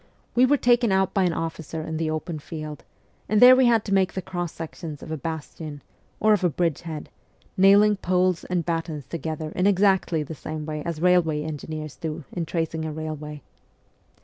We were taken out by an officer in the open field, and there we had to make the cross sections of a bastion, or of a bridge head, nailing poles and battens together in exactly the same way as railway engineers do in tracing a railway.